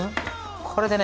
これでね